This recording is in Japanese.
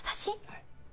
はい。